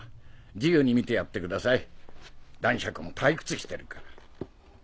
自由に見てやってください男爵も退屈してるから。